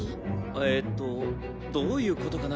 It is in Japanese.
えっとどういうことかな？